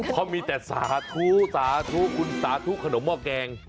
เขามีแต่สาธุสาธุคุณสาธุขนมหม้อแกง